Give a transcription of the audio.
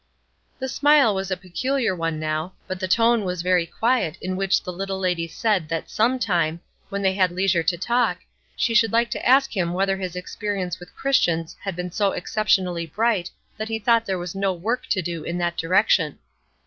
The smile was a peculiar one now, but the tone was very quiet in which the little lady said that some time, when they had leisure to talk, she should like to ask him whether his experience with Christians had been so exceptionally bright that he thought there was no work to do in that direction.